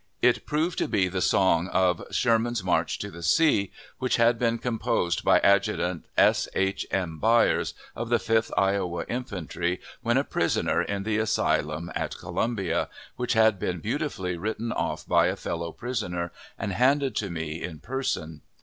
It proved to be the song of "Sherman's March to the Sea," which had been composed by Adjutant S. H. M. Byers, of the Fifth Iowa Infantry, when a prisoner in the asylum at Columbia, which had been beautifully written off by a fellow prisoner, and handed to me in person.